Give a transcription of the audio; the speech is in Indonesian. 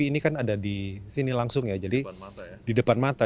ini kan ada di sini langsung ya jadi di depan mata